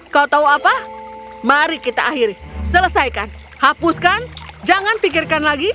kau tahu apa mari kita akhiri selesaikan hapuskan jangan pikirkan lagi